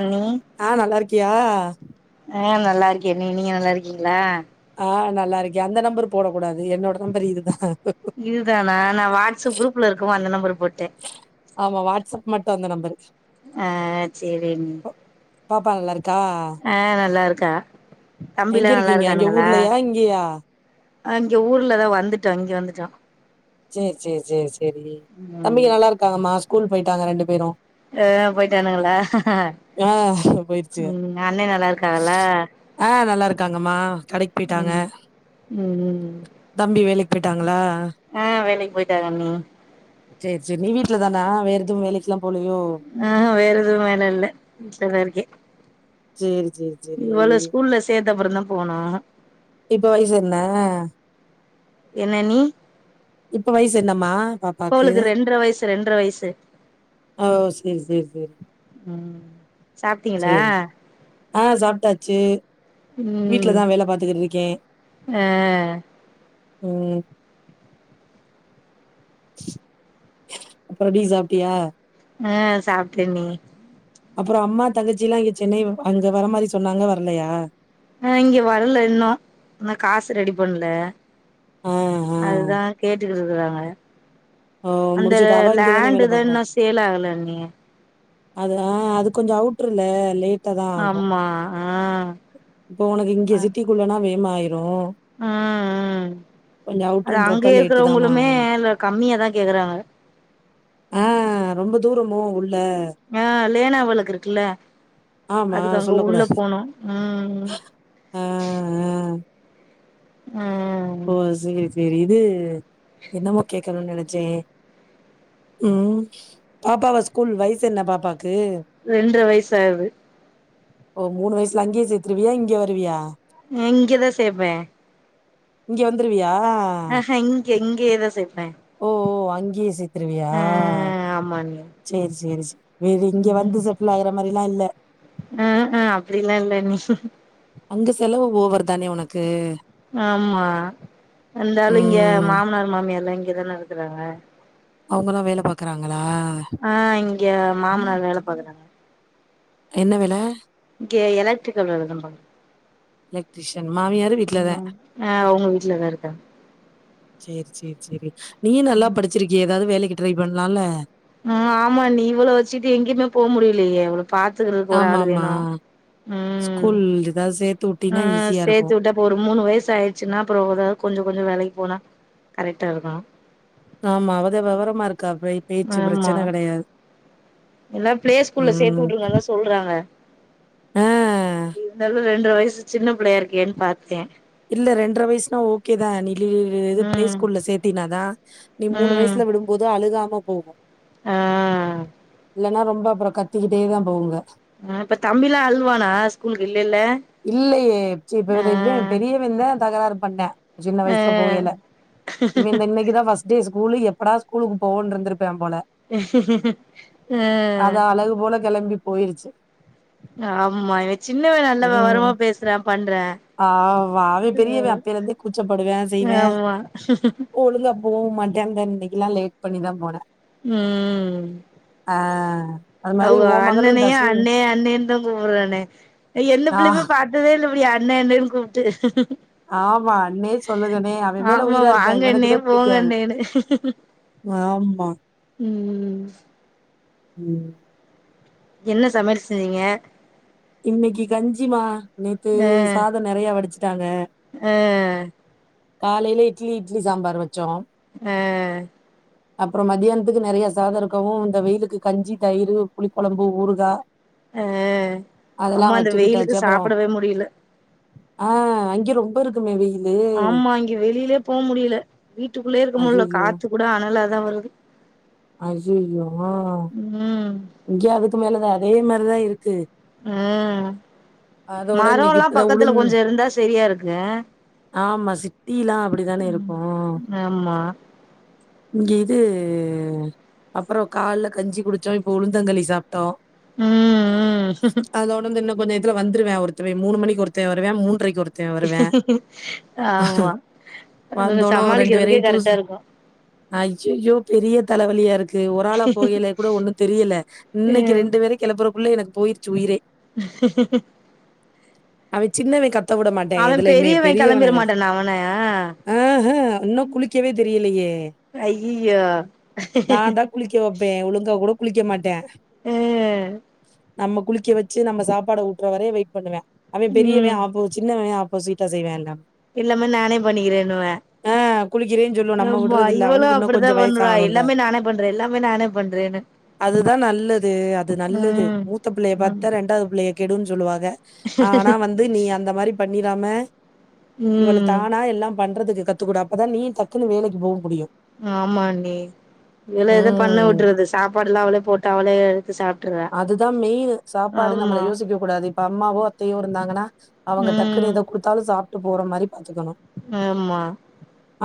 அண்ணி ஆ நல்லா இருக்கியா ஆ நல்லா இருக்கே அண்ணி நீங்க நல்லா இருக்கீங்களா ஆ நல்லா இருக்கே அந்த நம்பர் போடக் கூடாது என்னோட நம்பர் இதுதா இதுதானா நா வாட்ஸ் அப் குரூப்ல இருக்கவு அந்த நம்பரு போட்டே ஆமா வாட்ஸ் அப் மட்டு அந்த நம்பரு ஆ சேரி அண்ணி பாப்பா நல்லா இருக்கா ஆ நல்லா இருக்கா எங்க தம்பில்லா நல்லா இருக்கீங்க? இங்க இருக்கானுங்களா ஊர்லயா? இங்கயா? ஆ இங்க ஊர்லதா வந்துட்டோ இங்க வந்துட்டோ சேர் சேர் சேரி சேரி ம் தம்பிங்க நல்லா இருக்காங்கம்மா ஸ்கூல் போயிட்டாங்க ரெண்டு பேரு ஆ போயிட்டானுங்களா ஆ போயிருச்சுக. ம் அண்ணே நல்லா இருக்காகளா ஆ நல்லா இருக்காங்கம்மா கடைக் ம் ம் ம் ம் தம்பி வேலைக்கி போய்ட்டாங்களா ஆ வேலைக்கி போயிட்டாங்க அண்ணி சேரி சேரி நீ வீட்ல தானா வேற எதுவு வேலைக்குல்லா போலயோ ஆ வேற எதுவு வேல இல்ல வீட்ல தா இருக்கே சேரி சேரி சேரி. இவள ஸ்கூல்ல சேத்த அப்பறந்தா போனு இப்ப வயசு என்ன என்ன அண்ணி இப்ப வயசு என்னம்மா இப்ப பாப்பாக்கு? அவளுக்கு ரெண்டர வயசு ரெண்டர வயசு அ ஓ செரி செரி செரி ம் சாப்ட்டீங்களா ஆ சாப்ட்டாச்சு ம் வீட்லதா வேல பாத்துக்கிட்ருக்கே ஆ ம் அப்புற டீ சாப்ட்டியா அ சாப்ட்டேண்ணி அப்புறோ அம்மா தங்கச்சில்லா இங்க சென்னை வ அங்க வர மாரி சொன்னாங்க வரல்லையா ஆ இங்க வரல இன்னு இன்னு காசு ரெடி பண்ல ஆ ஆ அதுதா கேட்டுக்கிட்டு இருக்கறாங்க ஓ அந்த முடிச்சுட்டு அவ இங்க தானே வேல லேண்ட்டுதா பாக்குறா. இன்னு சேல் ஆகல அண்ணி அது அ அது கொஞ்சோ அவுட்ருல லேட் ஆம்மா ஆ இப்போ உனக்கு இங்க சிட்டிக்குள்ளனா வேமாயிரு அ அ அது அங்க அவுட்ருன்றப்ப லேட்டு தாம்மா இருக்கிறவங்களுமே ஆகும். இல்ல கம்மியாதா கேக்குறாங்க ஆ ரொம்ப தூரமோ உள்ள ஆ லேனா வளக்கு இருக்குல்ல ஆமா அதுக்கு அங்க உள்ள போனு ம் ம் ம் ம் ம் ஓ சேரி சேரி இது என்னமோ கேக்கணுன் நெனச்சே ம் பாப்பாவ ஸ்கூல் வய்சு என்ன பாப்பாக்கு ரெண்ட்ர வயசாவ்து ஓ மூணு வய்சுல அங்க்யே சேத்திருவியா இங்க வருவியா நா இங்கதா சேப்பே இங்க வந்துருவியா ஆஹ இங்கே இங்யேதா சேப்பே ஓ ஓ அங்க்யே சேத்துருவியா ஆ ஆமா அண்ணி சேரி சேரி சே வேறிங்க ம் வந்து செட்டில் ஆகுற மாறில்லா இல்ல ஆ ஆ அப்டிலா இல்ல அண்ணி அங்க செலவு ஓவர் தானே உனக்கு ஆமா எல்லாரு இங்க ம் மாமனார் மாமியார்ல்லா இங்கதான இருக்கறாங்க அவுங்கல்லா வேல பாக்கறாங்களா ஆ இங்க மாமனார் வேல பாக்கறாங்க என்ன வேல இங்க எலட்டிரிக்கல் வேலதா பாக் எலக்ட்ரிஷன் மாமியாரு வீட்லத ம் ஆ அவுங்க வீட்லதா இருக்காங் சேரி சேரி சேரி நீயு நல்லா படுச்சிருக்கியே எதாது வேலைக்கு ட்ரை பண்ணலால ஆ ஆமா அண்ணி இவுள வெச்சுட்டு எங்கிமே போ முடிலியே இவள பாத்துக்கிறக்கு ஒரு ஆமா ஆளு ஆமா வேணு ம் ஸ்கூல் ஏதாவது சேத்து ஆ வுட்டினா ஈஸியா இருக்கு சேத்து உட்ட ஒரு மூணு வைசு ஆய்ட்ச்சுனா அப்பறோ ஒரால் கொஞ்சோ கொஞ்சோ வேலைக்கு போனா கரெக்டா இருக்கு ஆமா அவதே வெவரமா இருக்கா பை ஆமா இல்ல ப்ளே ஸ்கூல்ல சேத்து ம் உட்ருங்கதா சொ சொல்றாங்க ஆ இருந்தாலு ரெண்ட்ர வய்சு சின்ன பிள்ளையா இருக்கேன் பாத்த இல்ல ரெண்ட்ர வைஸ்னா ஓகே தா நீ [unintelligible] இது ப்ளே ம் ஸ்கூல்ல சேத்தினாதா நீ மூணு வய்சு ம் த்ல விடும்போது அழுகாம போகு ஆ இல்லன்னா ரொம்ப அப்பறோ கத்திக்கிட்டே தா போகுங்க ஆ இப்ப தம்பிலா அழ்வானா ஸ்கூலுக்கு இல்லெல்ல ஆ இவந்த தகராறு பண்ண சின்ன ஆ வயசுல போகைல இவ இந் இன்னைக்கி தா ஃபஸ் டே ஸ்கூலு எப்படா ஸ்கூலுக்கு போவோனு இருந்துருப்பா போல அ அது அழகு போல கெளம்பிப் போயிருச்சு ஆமா இவே சின்னவ நல்ல வெவரமா பேசற பண்ற ஆவா அவே பெரியவே அப்பேலிருந்தே குச்சப்படுவே செய்வ ஆமா போவு மாட்டா இந்தா இன்னைக்கெல்லா லேட் பண்ணிதா போன ம் ஆ அது மாரி அவுங்க ஓ மகளு அண்ணனயே தர்ஷினி அண்ணே அண்ணே தா கூப்டறனே எந்த ஆ புள்ளையுமே பாத் ததே இல்ல இப்டி அண்ணே அண்ணேன்னு கூப்டு ஆமா, அண்ணே சொல்லுங்கண்ணே. அவன் மேல ஆமா உயிரா இருப்பேன். இவனுக்கு வாங்கண்ணே தான் பிடிக்காது. போங்கண்ணேனு ஆமா ம் ம் என்ன சமையல் செஞ்சிங்க இன்னைக்கி கஞ்சிமா நேத்து சாதோ நெறைய வடுச்சுட்டாங்க ஆ காலைல இட்லி இட்லி சாம்பார் வச்சோ ஆ அப்றோ மத்தியானத்துக்கு நெறைய சாதோ இருக்கவு இந்த வெயிலுக்கு கஞ்சி தயிர் புளி கொழம்பு ஊறுகா ஆ அம்மா அதெல்லாம் இந்த வெயிலுக்கு வச்சுக்கிட்டாச்சு. அப்புறம் சாப்டவே முடியல ஆ அங்க ரொம்ப இருக் க்குமே வெயிலு ஆமா இங்க வெளிலே போ முடியல வீட்டுக்குள்ளே இருக்க முடியல ஐயய்யோ! காத்து கூட அனலாதா வருது அய்யய்யோ ம் ம் இங்கே அதுக்கு மேலதா அதே மாரிதா இருக்கு ம் அதோட இன்னைக்கு மரோல்லா இப்பதான் பக்கத்துல உளுந் கொஞ்ச இருந்தா செரியா இருக்கு அ ஆமா சிட்டியில்லா அப்டிதானே இருக்கு ஆமா இங்க இது உ அப்பற கால்ல கஞ்சி குடிச்சோ இப் இப்ப உளுந்தங்களி சாப்ட்டோ ம் ம் அதோட இன்னோ கொஞ்ச நே ரத்துலா வந்துருவ ஒருத்தவே மூணு மணிக்கி ஒருத்தவ வருவா மூன்றரைக்கி ஒருத் த வருவே ஆமா அதுங்க வந்தோன்ன ரெண்டு சமாளிக்கிறதுக்கே வேரையு கரெக்டா டூசன் இருக்கு ஐய்யய்யோ பெரிய தலைவலியா இருக்கு ஒராள போகைலே கூட ஒண்ணு தெரியல இன்னைக்கி ம் ரெண்டு வேர கிளப்பறக்குள்ள எனக்கு போயிருச்சு உயிரே [unintelligible] அவ சின்னவே கத் த விட மாட்ட அவ எதுலயுமே பெரியவ பெரியவன கெளம்பிட மாட்டானா அவன அ ஹ இன்னு குளிக்கவே தெரியலையே அய்யய்யோ நான் தான் குளிக்க வைப்பே ஒழுங்கா கூட குளிக்க மாட்டா அ நம்ம குளிக்க வச்சு நம்ம சாப்பாடு ஊட்ற வர வெயிட் பண்ணுவே அவே பெரியவே ம் ஆப்போ சின்னவே ஆப்போசிட்டா செய்வா எல்லாமே எல்லாமே நானே பண்ணிக்கிறேன்னுவே ஆ குளிக்கிறேன்னு சொல்லும். நம்ம ஆமா விடுறதில்ல. இவளு அவனுக்கு இன்னும் அப்படித்தா கொஞ்சம் பண்றா வயசாகணும்ல. எல்லாமே நானே பண்ற எல்லாமே நானே பண்றேன்னு அதுதா நல்லது அது நல்லது ம் மூத்த புள்ளைய பாத்தா ரெண்டாவது புள்ளைய கெடுன்னு சொல்லுவாங்க உக்குக்கு வந்து நீ அந்த மாரி பண்ணிராம இவள ம் தானா எல்லாம் பண்றதுக்கு கத் து கூட அப்பதா நீ டக்குன்னு வேலைக்கி போக முடியு ஆமாண்ணி இவள எது பண்ண ம். உட்றது சாப்பாடுல்லா அவளே போட்டு அவளே எடுத்து சாப்புட்டுர்றா அதுதா மெயினு சாப்பாடு நம்மள யோசிக்க கூடாது இப்ப அம்மாவோ அத்தையோ இருந்தாங்கன்னா அவங்க டக்குன்னு ம் எத குடுத்தாலு சாப்புட்டு போற மாரி பாத்துக்கணு ம் ஆமா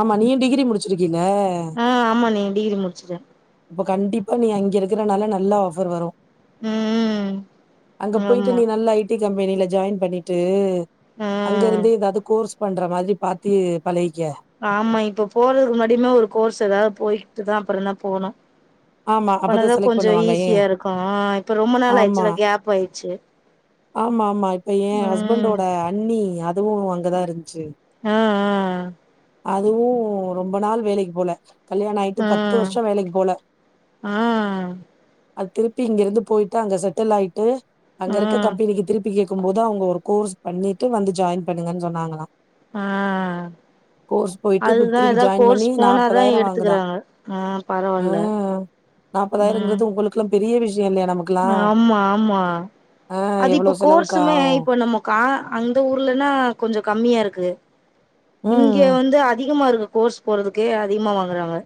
ஆமா நீயு டிகிரி முடிச்சிருக்கில்ல ஆ ஆமாண்ணி டிகிரி முடிச்சிட்டே அப்ப கண்டிப்பா நீ அங்க இருக்கறனால நல்லா ஆஃபர் வரு ம் அங்க போயிட்டு ஆமா நீ நல்ல ஐடி கம்பெனில ஜாயின் பண்ணிட்டு ஆ அங்கருந்தே ஏதாவது கோர்ஸ் பண்ற மாதிரி பாத்து பழகிக்க ஆமா இப்போ போறதுக்கு முன்னாடியுமே ஒரு கோர்ஸ் ஏதாவது போயிட்டு தா அப்புறோ தா நா போணு ஆமா அப்பதான் போனதா செலக்ட் கொஞ்சோ பண்ணுவாங்க ஏ ஈஸியாருக்கு இப்ப ரொம்ப நாள் ஆயிடுச்சுல கேப்பாயிடுச்சு ஆமாமா இப்ப ஏ ஹஸ்பண்டோட அண்ணி அதுவு அங்கதா இருந்ச்சு அ அ அதுவு ரொம்ப நாள் வேலைக் போல கல்யாண ஆயிட்டு ஆ பத்து வருஷோ ஆ வேலைக் போல ஆ அது திருப்பி இங்கிருந்து போயிட்ட அங்க செட்டலாயிட்டு ஆ அங்கருக்க கம்பெனிக்கி திருப்பி கேட்கும் போது அவுங்க ஒரு கோர்ஸ் பண்ணிட்டு வந்து ஜாயின் பண்ணுங்கன் சொன்னாங்ளா அ போயிட்டு இப்ப அதுதா திருப்பி எதாது ஜாயின் கோர்ஸ் பண்ணி போனாதா நாப்பதாயிர வாங்குதா எடுத்துக்கறாங்க ஆ பரவால்ல ம் நாப்பதாயிரங்குறது உங்களுக்கெல்லா பெரிய விஷ்யோ இல்லையா நமக் ஆமா ஆமா அது இப்ப எவ்வளவு செலவுக்கு கோர்ஸுமே ஆகு இப்ப நம்ம கா அந்த ஊர்லன்னா கொஞ்சோ கம்மியாருக்குது இங்கே ம். வந்து அதி கமாருக்கு கோர்ஸ் போறதுக்கே அதிகமா வாங்கறாங்க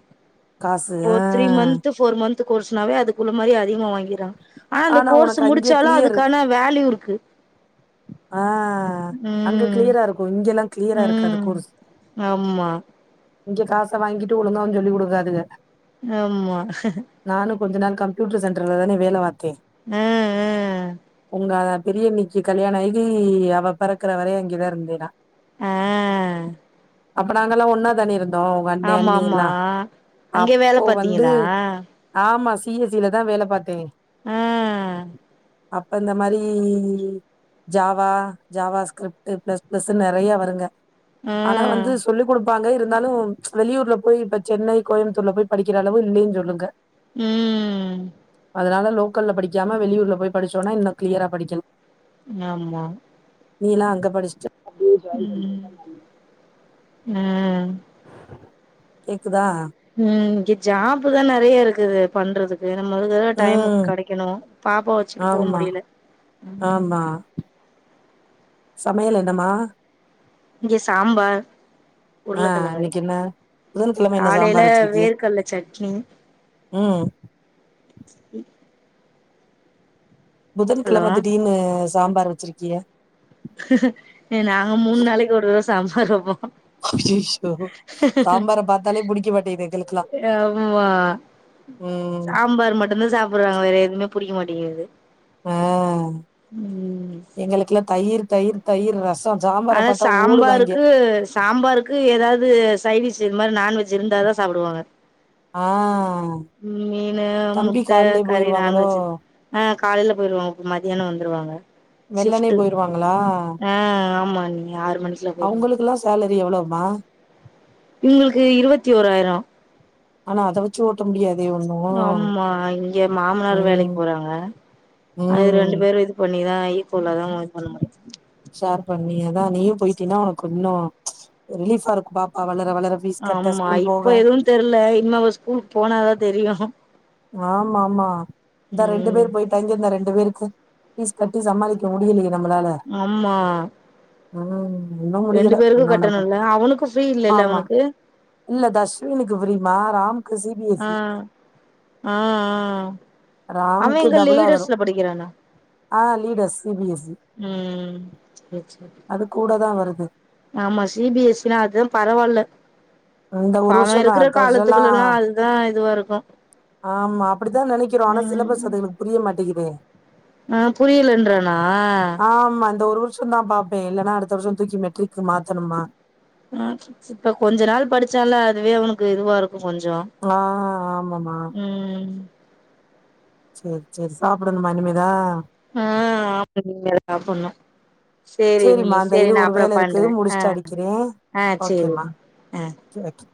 காசு இப்ப ஆ. த்ரீ மந்த்து போர் மந்த்து கோர்ஸ்னாவே அதுக்குள்ள மாரி அதிகமா வாங்கிறாங்க ஆனா அந்த கோர்ஸு உனக்கு அங்கே முடிச்சாலு கிளியரு. அதுக்கான வேல்யூ இருக்கு ஆ அங்க ம் கிளியராருக்கு இங்கெல்லா கிளியராருக்காது ம் கோர்ஸ் ஆமா இங்க காச வாங்கிட்டு ஒழுங்காவு சொல்லிக் குடுக்காதுக ஆமா நானு கொஞ்ச நாள் கம்ப்யூட்டர் சென்டர்ல தானே வேல பாத்தே ம் ம் உங்க பெரியண்ணிக்கி கல்யாணாகி அவ பெறக்கற வரையு அங்கதா இருந்தே நா ஆ அப்ப நாங்கல்லா ஒன்னா தண்ணி இருந்தோ உங்க அண்ணே ஆமா அண்ணி ஆமா எல்லா அங்கே வேல அப்போ வந்து பாத்தீங்களா ஆமா சி எஸ் சில தா வேலப் பாத்தே அ அப்ப இந்த மாரி Java JavaScript plus plus நெறைய வருங்க ஆனா ம் வந்து சொல்லிடு ப்பாங்க இருந்தாலூ வெளியூர்ல போய் இப்ப சென்னை கோயம்புத்தூர்ல போய் படிக்கிற அளவு இல்லைன்னு சொல்லுங்க உம் அதனால லோக்கல்ல படிக்காம வெளியூர்ல போய் படிச்சோன்னாஇன்னூ கிளியரா படிக்கு நாம் தா நீனா அங்க படிச்சுட்டு அப்டியே ஜாயின் பண்றதுதா நல்லது உம் கேக்குதா உம் இங்க ஜாப் தான் நெறைய இருக்குது பண்றதுக்கு நம்ம வந்து டைமுக்கு ம் கெடைக்கணும் பாப்பா வச்சுட்டு போ ஆமா முடியல ஆமா சமையல் என்னமா இங்க சாம்பார் ஆ உருளைக்கெழங்கு இன்னைக்கு என்ன புதன்கிழம என்ன காலையில சாம்பார் வேர்க் கடல சட்னி உம் ச ஹலோ புதன்கெழமை திடீர்னு சாம்பார் வச்சுருக்கியே நாங்க மூணு நாளைக்கு ஒரு தடம் சாம்பார் வப்போ ஐய்யயோ சாம்பார பாத்தாலே புடிக்க மாட்டேங்குது எங்களுக்குலா எதாவது சாம்பார் மட்டும்தா சாப்டுறாங்க வேற எதுவுமே புடிக்க மாட்டேங்குது ஓ ம் எங்களுக்குல தயிர் தயிர் தயிர் ரசம் ஆனா சாம்பாருக்கு சாம்பாருக்கு ஏதாவது சைவிச் இது மாரி நாண்வெஜ் இருந்தா தா சாப்டுவாங்க ஆ மீன் தம்பி முட்ட கால்லயே கறி போயிருவாங்களோ நான்வெஜ் ஆ காலையில போயிடுவாங்க மதியானோ வந்துடுவாங்க வெள்ளனே ஷப்ட் போயிருவாங்களா ஆ ஆமா நீ ஆறு மணிக்குல போயிருவாங்க அவங்களுக்குல்லா சேலரி எவ்ளோமா இவுங்களுக்கு இருபத்தி ஓராயிரோ ஆனா அத வச்சு ஓட்ட முடியாதே ஒண்ணு ஆம்மா இங்க மாமனார் வேலைக்கு போறாங்க ஓ அது ரெண்டு பேரு இது பண்ணிதா யிப்போலா அதா நா பண்ண முடியும் ஷேர் பண்ணி அதா நீயூ போயிட்டீன்னா உனக்கு இன்னு ரிலீஃபா இருக்கும் பாப்பா வளர வளர ஃபீஸ் கட்ட ஆமா ஸ்கூல் போக இப்ப எதுன் தெரியல இன்னூ அவ ஸ்கூல் போனாதா தெரியு ஆமா ஆமா இந்தா ரெண்டு ம் பேர் போயிட்டு தங்கி இந்த ரெண்டு பேருக்கு பீஸ் கட்டி சமாளிக்க முடியலயே நம்மளால ஆமா ஓ இன்னும் ரெண்டு முடியல பேருக்கு எங்க வேனா போ கட்டணும்ல அவனுக்கு ஃப்ரீ இல்லல்ல ஆமா அவனுக்கு இல்ல தஸ்வினுக்கு ஃபிரி மா ராம் ஆ ஆ அவே ராம்க்கு எங்க டபுளா வரு லேடர்ஸ்ல படிக்கிறானா ஆ leaders C B S E உம் சேரி சேரி அது கூட தா வருது ஆமா சிபிஎஸ்சினா அதா பரவால இந்த இப்ப ஒரு அவன் வருஷந்தா இருக்குற அடுத்த வருஷல்லா காலத்துக்கெல்லா அது தா இதுவா இருக்கும் ஆமா அப்டித்தா நெனைக்கிறோ ஆனா சிலபஸ் அதுங்குளுக்கு புரிய மாட்டேங்குதே ஆ புரியலன்றானா ஆமா இந்த ஒரு வருஷ தா பாப்பே இல்லன்னா அடுத்த வருஷோ தூக்கி மெட்ரிக்கு மாத்துணுமா அ இப்ப கொஞ்ச நாள் படிச்சான்ல அதுவே அவனுக்கு இதுவா இருக்கு கொஞ்சோ ஆ ஆமா மா ம் சேரி சேரி சாப்டணுமா இனிமே தா அ ஆமா இனிமே தா சாப்டணும் சேரி மீ சேரிம்மா இந்த சேரி இரு நா ஒரு அப்றோ வேல பண்ற இருக்கு அ முடிச்சுட்டு அடிக்கிறே அ சேரி ஓகேம்மா அ [unintelligible]